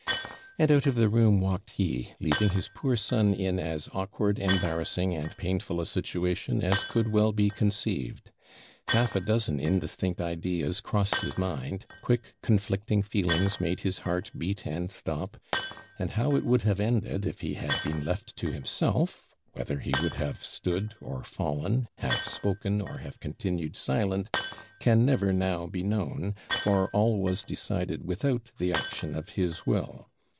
And out of the room walked he, leaving his poor son in as awkward, embarrassing, and painful a situation, as could well be conceived. Half a dozen indistinct ideas crossed his mind; quick conflicting feelings made his heart beat and stop. And how it would have ended, if he had been left to himself, whether he would have stood or fallen, have spoken or have continued silent, can never now be known, for all was decided without the action of his will.